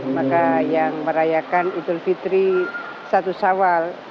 maka yang merayakan idul fitri satu sawal